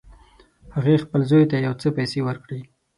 هغې خپل زوی ته یو څه پیسې ورکړې